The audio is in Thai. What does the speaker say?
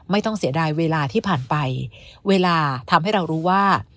ไม่ต้องเสียดายเวลาที่ผ่านไปเวลาทำให้เรารู้ว่า